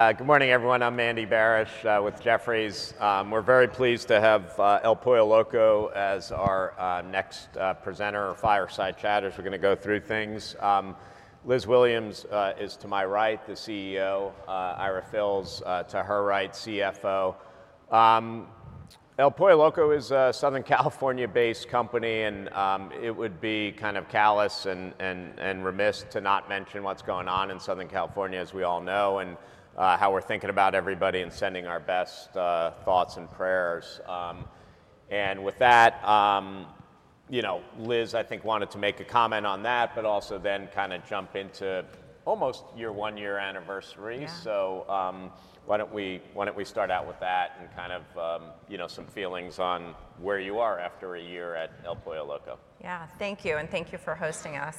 Good morning, everyone. I'm Andy Barish with Jefferies. We're very pleased to have El Pollo Loco as our next presenter or fireside chatters. We're going to go through things. Liz Williams is to my right, the CEO. Ira Fils, to her right, CFO. El Pollo Loco is a Southern California-based company, and it would be kind of callous and remiss to not mention what's going on in Southern California, as we all know, and how we're thinking about everybody and sending our best thoughts and prayers and with that, Liz, I think, wanted to make a comment on that, but also then kind of jump into almost your one-year anniversary. So why don't we start out with that and kind of some feelings on where you are after a year at El Pollo Loco? Yeah, thank you. And thank you for hosting us.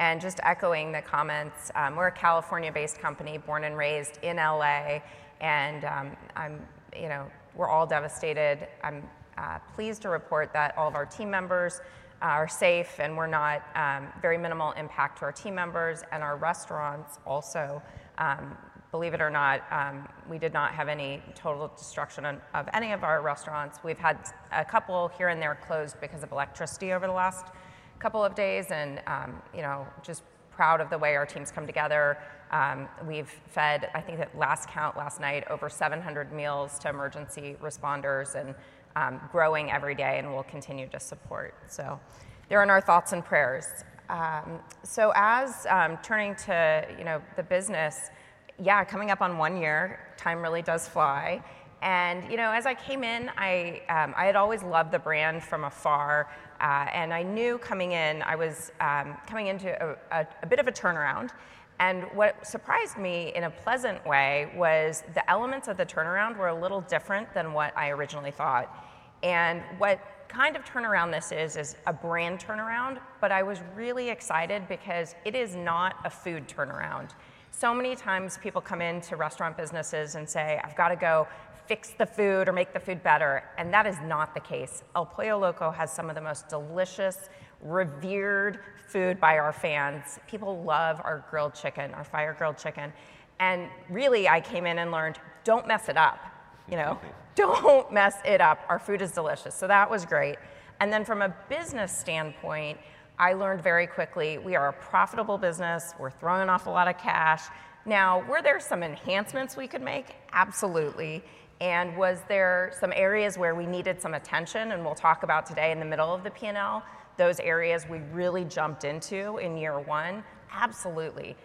And just echoing the comments, we're a California-based company, born and raised in LA. And we're all devastated. I'm pleased to report that all of our team members are safe, and we had very minimal impact to our team members. Our restaurants, also, believe it or not, we did not have any total destruction of any of our restaurants. We've had a couple here and there closed because of electricity over the last couple of days. I'm just proud of the way our teams come together. We've fed, I think, at last count last night, over 700 meals to emergency responders and growing every day and will continue to support. Our thoughts and prayers. Turning to the business, yeah, coming up on one year, time really does fly. And as I came in, I had always loved the brand from afar. And I knew coming in, I was coming into a bit of a turnaround. And what surprised me in a pleasant way was the elements of the turnaround were a little different than what I originally thought. And what kind of turnaround this is, is a brand turnaround. But I was really excited because it is not a food turnaround. So many times people come into restaurant businesses and say, I've got to go fix the food or make the food better. And that is not the case. El Pollo Loco has some of the most delicious, revered food by our fans. People love our grilled chicken, our fire-grilled chicken. And really, I came in and learned, don't mess it up. Don't mess it up. Our food is delicious. So that was great. And then from a business standpoint, I learned very quickly, we are a profitable business. We're throwing off a lot of cash. Now, were there some enhancements we could make? Absolutely. And was there some areas where we needed some attention? And we'll talk about today in the middle of the P&L, those areas we really jumped into in year one? Absolutely.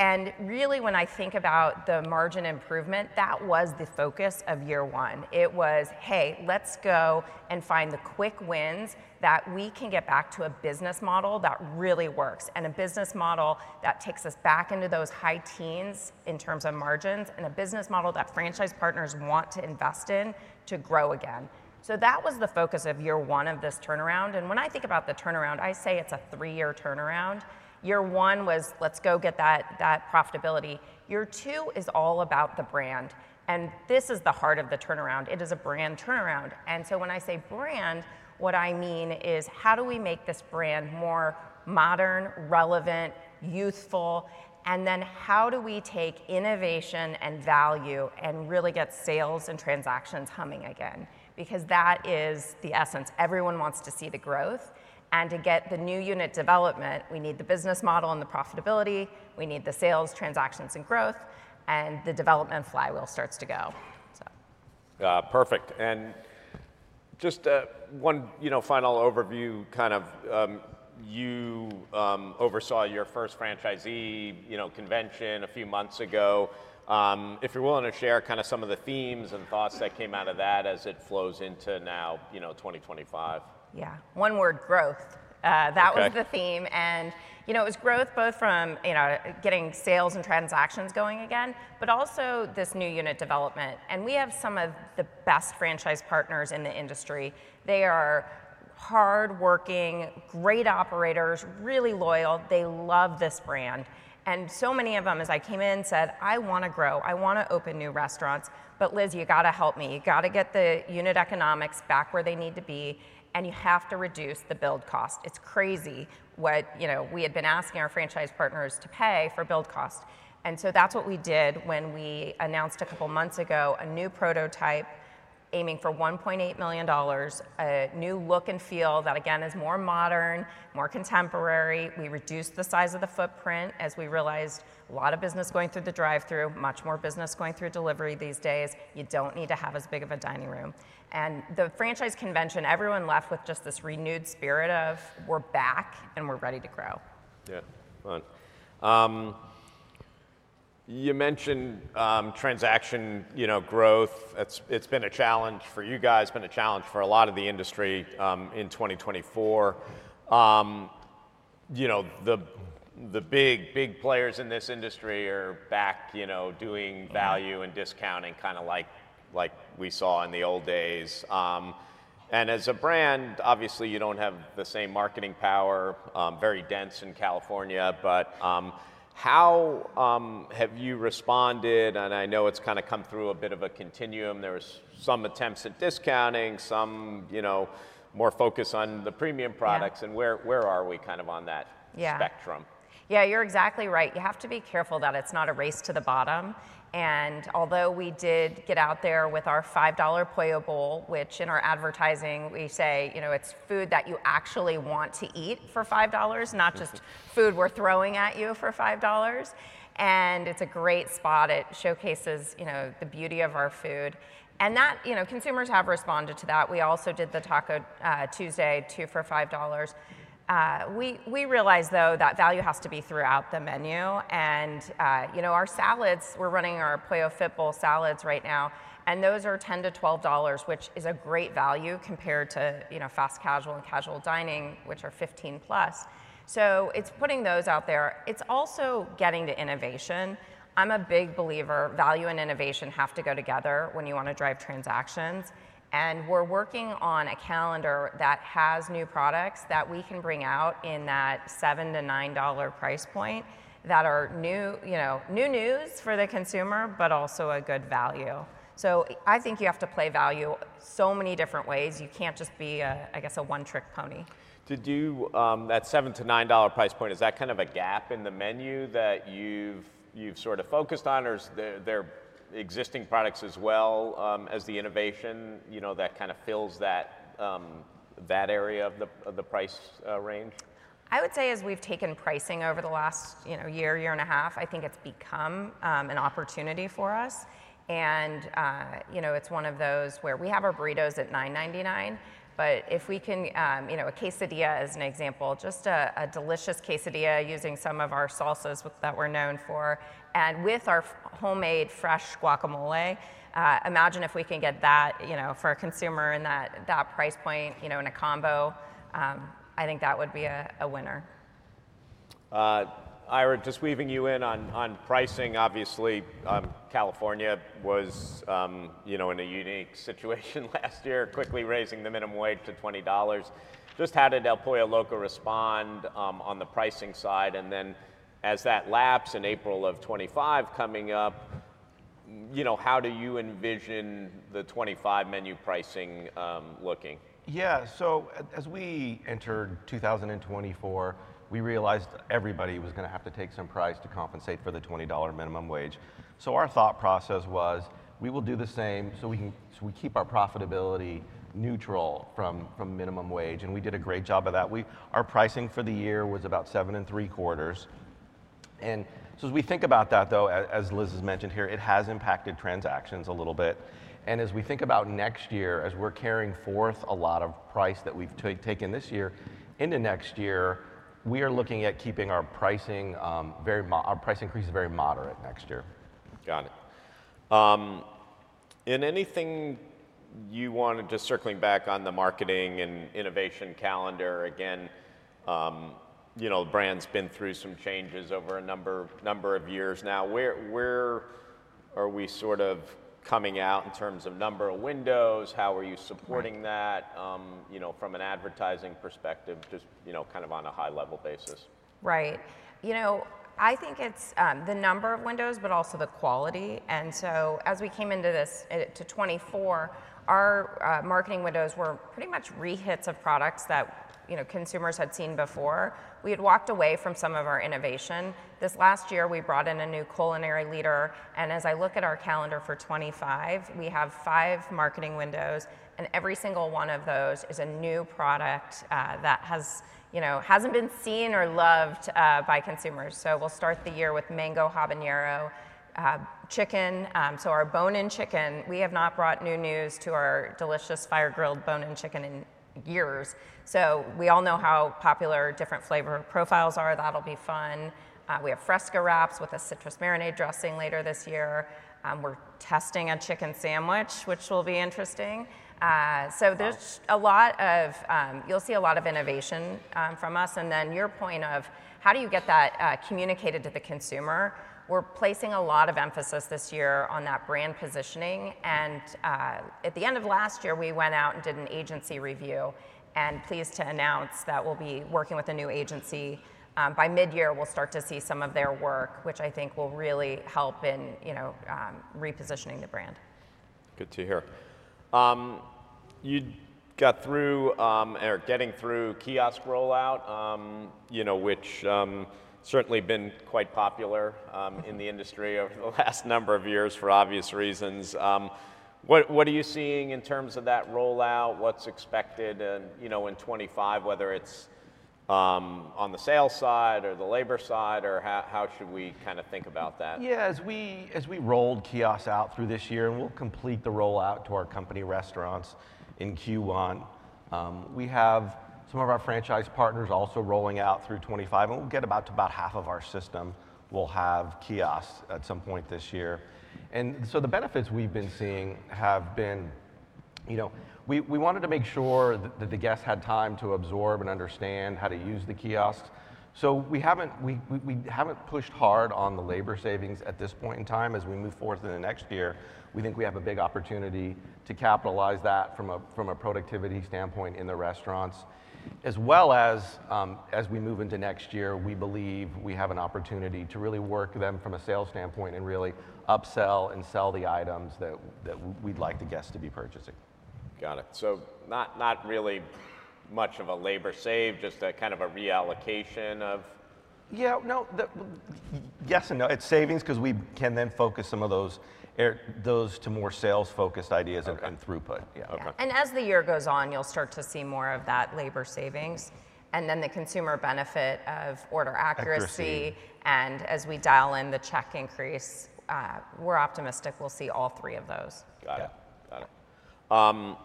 And really, when I think about the margin improvement, that was the focus of year one. It was, hey, let's go and find the quick wins that we can get back to a business model that really works, and a business model that takes us back into those high teens in terms of margins, and a business model that franchise partners want to invest in to grow again. So that was the focus of year one of this turnaround. And when I think about the turnaround, I say it's a three-year turnaround. Year one was, let's go get that profitability. Year two is all about the brand. And this is the heart of the turnaround. It is a brand turnaround. And so when I say brand, what I mean is, how do we make this brand more modern, relevant, youthful? And then how do we take innovation and value and really get sales and transactions humming again? Because that is the essence. Everyone wants to see the growth. And to get the new unit development, we need the business model and the profitability. We need the sales, transactions, and growth. And the development flywheel starts to go. Perfect, and just one final overview, kind of you oversaw your first franchisee convention a few months ago. If you're willing to share kind of some of the themes and thoughts that came out of that as it flows into now 2025. Yeah, one word, growth. That was the theme. And it was growth, both from getting sales and transactions going again, but also this new unit development. And we have some of the best franchise partners in the industry. They are hardworking, great operators, really loyal. They love this brand. And so many of them, as I came in, said, I want to grow. I want to open new restaurants. But Liz, you got to help me. You got to get the unit economics back where they need to be. And you have to reduce the build cost. It's crazy what we had been asking our franchise partners to pay for build cost. And so that's what we did when we announced a couple of months ago a new prototype aiming for $1.8 million, a new look and feel that, again, is more modern, more contemporary. We reduced the size of the footprint as we realized a lot of business going through the drive-through, much more business going through delivery these days. You don't need to have as big of a dining room, and the franchise convention, everyone left with just this renewed spirit of, we're back and we're ready to grow. Yeah, fun. You mentioned transaction growth. It's been a challenge for you guys. It's been a challenge for a lot of the industry in 2024. The big players in this industry are back doing value and discounting, kind of like we saw in the old days. And as a brand, obviously, you don't have the same marketing power, very dense in California. But how have you responded? And I know it's kind of come through a bit of a continuum. There were some attempts at discounting, some more focus on the premium products. And where are we kind of on that spectrum? Yeah, you're exactly right. You have to be careful that it's not a race to the bottom, and although we did get out there with our $5 Pollo Loco, which in our advertising, we say it's food that you actually want to eat for $5, not just food we're throwing at you for $5, and it's a great spot. It showcases the beauty of our food, and consumers have responded to that. We also did the Taco Tuesday, two for $5. We realized, though, that value has to be throughout the menu, and our salads, we're running our Pollo Fit Bowl salads right now, and those are $10-$12, which is a great value compared to fast casual and casual dining, which are $15 plus, so it's putting those out there. It's also getting to innovation. I'm a big believer in value and innovation have to go together when you want to drive transactions. And we're working on a calendar that has new products that we can bring out in that $7-$9 price point that are new news for the consumer, but also a good value. So I think you have to play value so many different ways. You can't just be, I guess, a one-trick pony. To do that $7-$9 price point, is that kind of a gap in the menu that you've sort of focused on? Or are there existing products as well as the innovation that kind of fills that area of the price range? I would say as we've taken pricing over the last year and a half, I think it's become an opportunity for us, and it's one of those where we have our burritos at $9.99, but if we can a quesadilla, as an example, just a delicious quesadilla using some of our salsas that we're known for, and with our homemade fresh guacamole, imagine if we can get that for a consumer in that price point in a combo. I think that would be a winner. Ira, just weaving you in on pricing, obviously, California was in a unique situation last year, quickly raising the minimum wage to $20. Just how did El Pollo Loco respond on the pricing side? And then as that laps in April of 2025 coming up, how do you envision the 2025 menu pricing looking? Yeah, so as we entered 2024, we realized everybody was going to have to take some price to compensate for the $20 minimum wage. So our thought process was, we will do the same so we keep our profitability neutral from minimum wage. And we did a great job of that. Our pricing for the year was about $7.75. And so as we think about that, though, as Liz has mentioned here, it has impacted transactions a little bit. And as we think about next year, as we're carrying forth a lot of price that we've taken this year into next year, we are looking at keeping our pricing very our price increase very moderate next year. Got it. And anything you want to just circling back on the marketing and innovation calendar, again, the brand's been through some changes over a number of years now. Where are we sort of coming out in terms of number of windows? How are you supporting that from an advertising perspective, just kind of on a high-level basis? Right. You know, I think it's the number of windows, but also the quality, and so as we came into 2024, our marketing windows were pretty much re-hits of products that consumers had seen before. We had walked away from some of our innovation. This last year, we brought in a new culinary leader, and as I look at our calendar for 2025, we have five marketing windows, and every single one of those is a new product that hasn't been seen or loved by consumers, so we'll start the year with Mango Habanero Chicken. So our bone-in chicken, we have not brought new news to our delicious Fire-Grilled bone-in chicken in years, so we all know how popular different flavor profiles are. That'll be fun. We have Fresca Wraps with a citrus marinade dressing later this year. We're testing a chicken sandwich, which will be interesting. So there's a lot. You'll see a lot of innovation from us. And then your point of how do you get that communicated to the consumer? We're placing a lot of emphasis this year on that brand positioning. And at the end of last year, we went out and did an agency review. And we're pleased to announce that we'll be working with a new agency. By mid-year, we'll start to see some of their work, which I think will really help in repositioning the brand. Good to hear. You got through or getting through kiosk rollout, which certainly has been quite popular in the industry over the last number of years for obvious reasons. What are you seeing in terms of that rollout? What's expected in 2025, whether it's on the sales side or the labor side? Or how should we kind of think about that? Yeah, as we rolled kiosks out through this year, and we'll complete the rollout to our company restaurants in Q1. We have some of our franchise partners also rolling out through 2025. And we'll get about half of our system will have kiosks at some point this year. And so the benefits we've been seeing have been we wanted to make sure that the guests had time to absorb and understand how to use the kiosks. So we haven't pushed hard on the labor savings at this point in time. As we move forward into next year, we think we have a big opportunity to capitalize that from a productivity standpoint in the restaurants. As well as we move into next year, we believe we have an opportunity to really work them from a sales standpoint and really upsell and sell the items that we'd like the guests to be purchasing. Got it. So not really much of a labor save, just a kind of a reallocation of? Yeah, no, yes and no. It's savings because we can then focus some of those to more sales-focused ideas and throughput. And as the year goes on, you'll start to see more of that labor savings. And then the consumer benefit of order accuracy. And as we dial in the check increase, we're optimistic we'll see all three of those. Got it.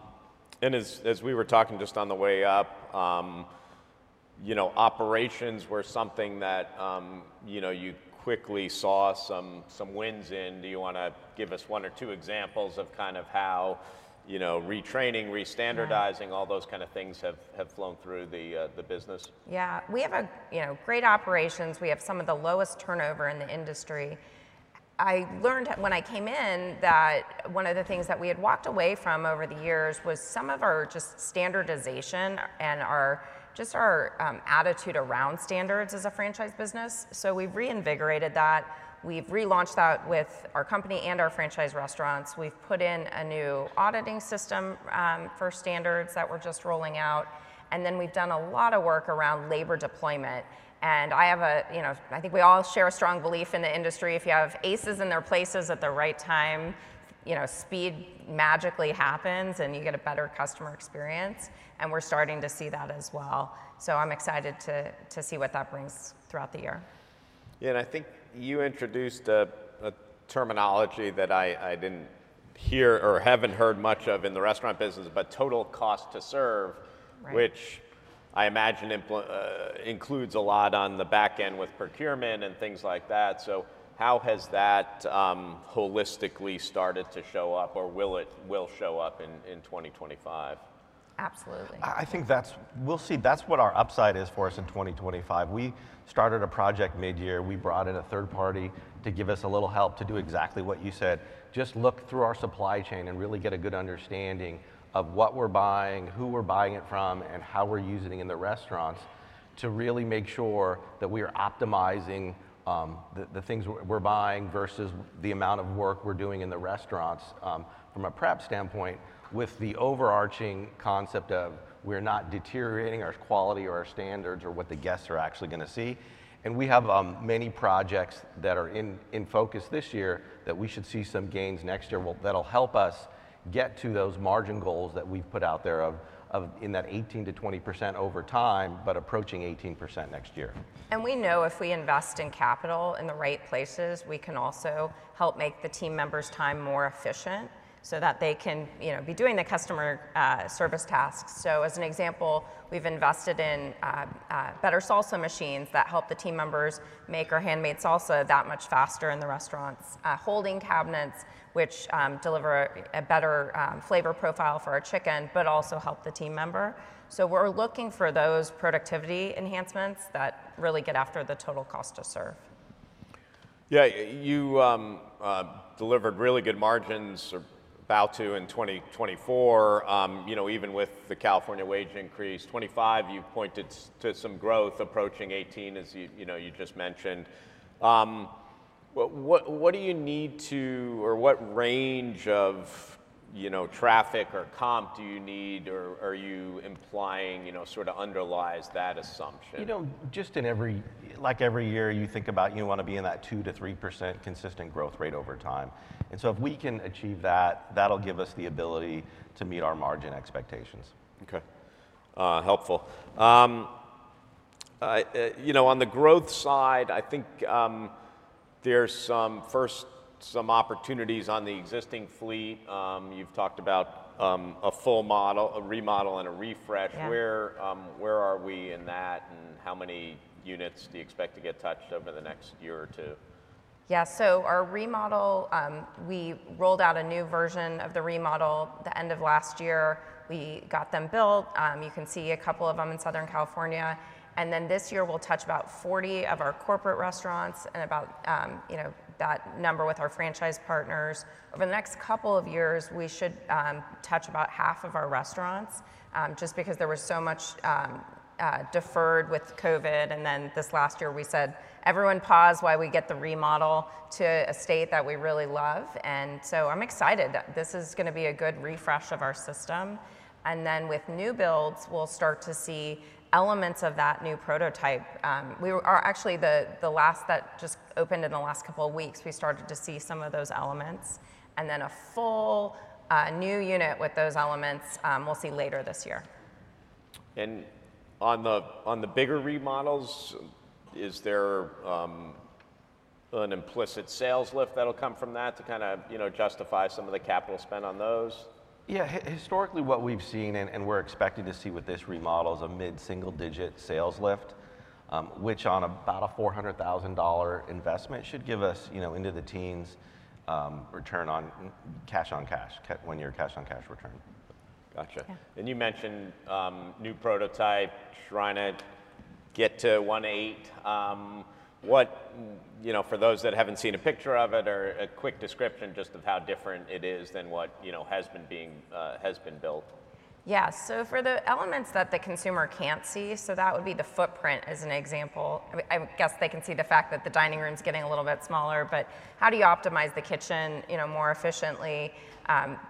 And as we were talking just on the way up, operations were something that you quickly saw some wins in. Do you want to give us one or two examples of kind of how retraining, restandardizing, all those kind of things have flown through the business? Yeah, we have great operations. We have some of the lowest turnover in the industry. I learned when I came in that one of the things that we had walked away from over the years was some of our just standardization and just our attitude around standards as a franchise business. So we've reinvigorated that. We've relaunched that with our company and our franchise restaurants. We've put in a new auditing system for standards that we're just rolling out. And then we've done a lot of work around labor deployment. And I think we all share a strong belief in the industry. If you have aces in their places at the right time, speed magically happens and you get a better customer experience. And we're starting to see that as well. So I'm excited to see what that brings throughout the year. Yeah, and I think you introduced a terminology that I didn't hear or haven't heard much of in the restaurant business, but total cost to serve, which I imagine includes a lot on the back end with procurement and things like that. So how has that holistically started to show up or will show up in 2025? Absolutely. I think that's what we'll see. That's what our upside is for us in 2025. We started a project mid-year. We brought in a third party to give us a little help to do exactly what you said, just look through our supply chain and really get a good understanding of what we're buying, who we're buying it from, and how we're using it in the restaurants to really make sure that we are optimizing the things we're buying versus the amount of work we're doing in the restaurants from a prep standpoint with the overarching concept that we're not deteriorating our quality or our standards or what the guests are actually going to see. We have many projects that are in focus this year that we should see some gains next year that'll help us get to those margin goals that we've put out there of in that 18%-20% over time, but approaching 18% next year. And we know if we invest in capital in the right places, we can also help make the team members' time more efficient so that they can be doing the customer service tasks. So as an example, we've invested in better salsa machines that help the team members make our handmade salsa that much faster in the restaurants, holding cabinets, which deliver a better flavor profile for our chicken, but also help the team member. So we're looking for those productivity enhancements that really get after the total cost to serve. Yeah, you delivered really good margins about 20 in 2024, even with the California wage increase. 2025, you pointed to some growth approaching 2018, as you just mentioned. What do you need to or what range of traffic or comp do you need? Or are you implying sort of underlies that assumption? Just in every like every year, you think about you want to be in that 2%-3% consistent growth rate over time. And so if we can achieve that, that'll give us the ability to meet our margin expectations. Okay, helpful. On the growth side, I think there's first some opportunities on the existing fleet. You've talked about a full model, a remodel, and a refresh. Where are we in that? And how many units do you expect to get touched over the next year or two? Yeah, so our remodel, we rolled out a new version of the remodel the end of last year. We got them built. You can see a couple of them in Southern California. And then this year, we'll touch about 40 of our corporate restaurants and about that number with our franchise partners. Over the next couple of years, we should touch about half of our restaurants just because there was so much deferred with COVID. And then this last year, we said, everyone pause while we get the remodel to a state that we really love. And so I'm excited that this is going to be a good refresh of our system. And then with new builds, we'll start to see elements of that new prototype. We are actually the last that just opened in the last couple of weeks. We started to see some of those elements. A full new unit with those elements we'll see later this year. On the bigger remodels, is there an implicit sales lift that'll come from that to kind of justify some of the capital spend on those? Yeah, historically, what we've seen and we're expecting to see with this remodel is a mid-single-digit sales lift, which on about a $400,000 investment should give us into the teens return on cash-on-cash, one-year cash-on-cash return. Gotcha. And you mentioned new prototype, trying to get to 1.8. For those that haven't seen a picture of it, or a quick description just of how different it is than what has been built. Yeah, so for the elements that the consumer can't see, so that would be the footprint as an example. I guess they can see the fact that the dining room's getting a little bit smaller. But how do you optimize the kitchen more efficiently?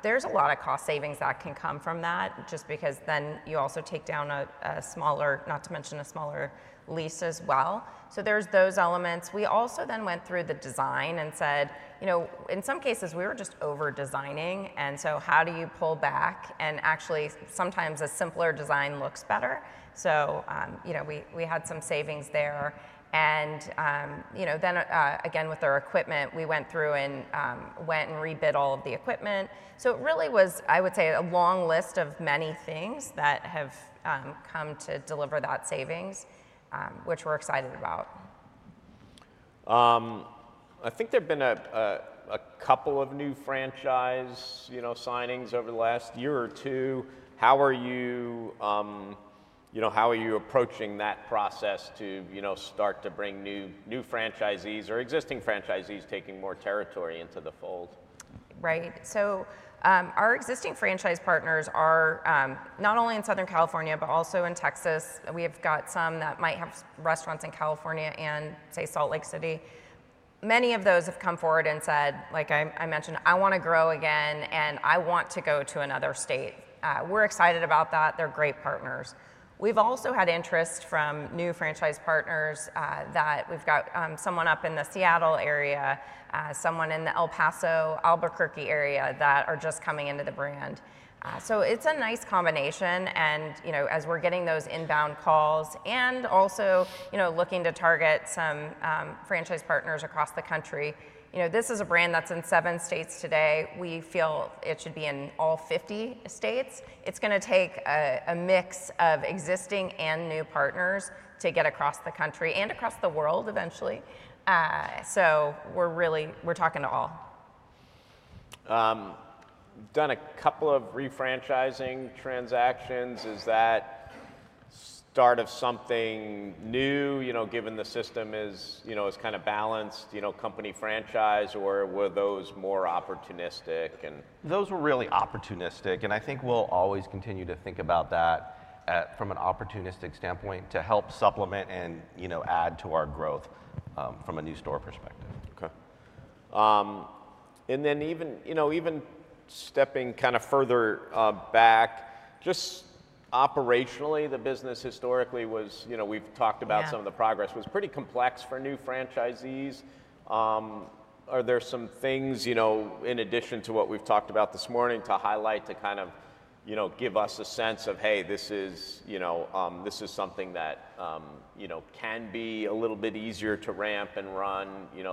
There's a lot of cost savings that can come from that just because then you also take down a smaller, not to mention a smaller lease as well. So there's those elements. We also then went through the design and said, in some cases, we were just over-designing. And so how do you pull back? And actually, sometimes a simpler design looks better. So we had some savings there. And then again, with our equipment, we went through and went and rebid all of the equipment. So it really was, I would say, a long list of many things that have come to deliver that savings, which we're excited about. I think there've been a couple of new franchise signings over the last year or two. How are you approaching that process to start to bring new franchisees or existing franchisees taking more territory into the fold? Right. So our existing franchise partners are not only in Southern California, but also in Texas. We have got some that might have restaurants in California and, say, Salt Lake City. Many of those have come forward and said, like I mentioned, I want to grow again, and I want to go to another state. We're excited about that. They're great partners. We've also had interest from new franchise partners that we've got someone up in the Seattle area, someone in the El Paso, Albuquerque area that are just coming into the brand. So it's a nice combination. And as we're getting those inbound calls and also looking to target some franchise partners across the country, this is a brand that's in seven states today. We feel it should be in all 50 states. It's going to take a mix of existing and new partners to get across the country and across the world eventually, so we're talking to all. We've done a couple of refranchising transactions. Is that the start of something new, given the system is kind of balanced, company franchise, or were those more opportunistic? Those were really opportunistic, and I think we'll always continue to think about that from an opportunistic standpoint to help supplement and add to our growth from a new store perspective. Okay. And then even stepping kind of further back, just operationally, the business historically was. We've talked about some of the progress. Was pretty complex for new franchisees. Are there some things in addition to what we've talked about this morning to highlight to kind of give us a sense of, hey, this is something that can be a little bit easier to ramp and run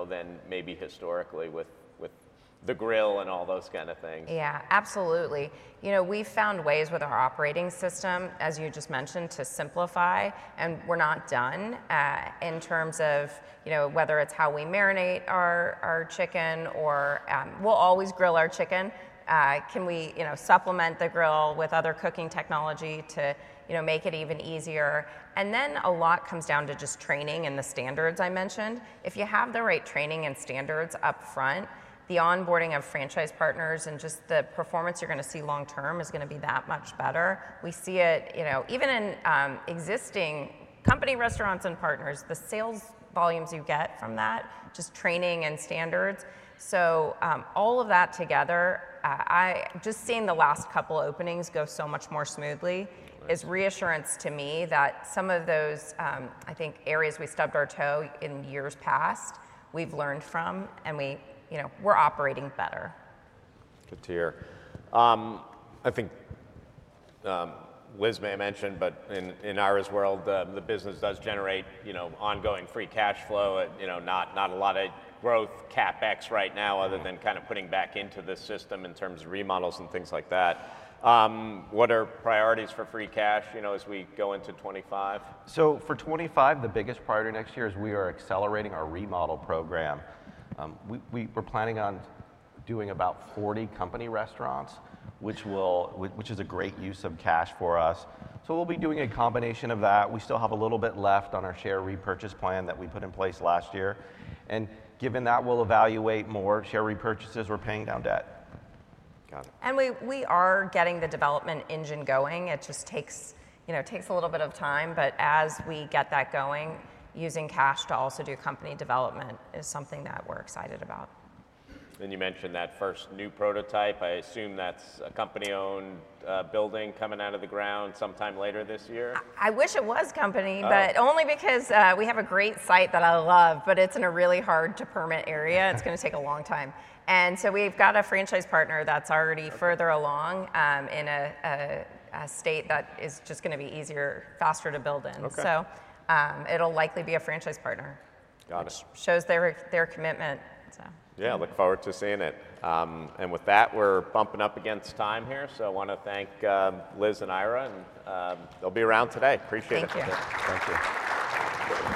than maybe historically with the grill and all those kind of things? Yeah, absolutely. We've found ways with our operating system, as you just mentioned, to simplify, and we're not done in terms of whether it's how we marinate our chicken. We'll always grill our chicken. Can we supplement the grill with other cooking technology to make it even easier, and then a lot comes down to just training and the standards I mentioned. If you have the right training and standards upfront, the onboarding of franchise partners and just the performance you're going to see long term is going to be that much better. We see it even in existing company restaurants and partners, the sales volumes you get from that, just training and standards. So all of that together, just seeing the last couple of openings go so much more smoothly is reassurance to me that some of those, I think, areas we stubbed our toe in years past, we've learned from, and we're operating better. Good to hear. I think Liz may have mentioned, but in Ira's world, the business does generate ongoing free cash flow, not a lot of growth, CapEx right now, other than kind of putting back into the system in terms of remodels and things like that. What are priorities for free cash as we go into 2025? So for 2025, the biggest priority next year is we are accelerating our remodel program. We're planning on doing about 40 company restaurants, which is a great use of cash for us. So we'll be doing a combination of that. We still have a little bit left on our share repurchase plan that we put in place last year. And given that, we'll evaluate more share repurchases or paying down debt. Got it. We are getting the development engine going. It just takes a little bit of time. As we get that going, using cash to also do company development is something that we're excited about. You mentioned that first new prototype. I assume that's a company-owned building coming out of the ground sometime later this year. I wish it was company, but only because we have a great site that I love, but it's in a really hard-to-permit area. It's going to take a long time, and so we've got a franchise partner that's already further along in a state that is just going to be easier, faster to build in, so it'll likely be a franchise partner. Got it. Which shows their commitment. Yeah, look forward to seeing it, and with that, we're bumping up against time here. So I want to thank Liz and Ira, and they'll be around today. Appreciate it. Thank you. Thank you.